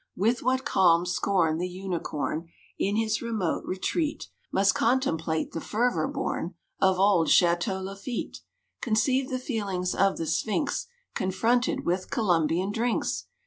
= With what calm scorn the Unicorn, `In his remote retreat, Must contemplate the fervour born `Of old "Château Lafitte." Conceive the feelings of the Sphinx Confronted with Columbian drinks!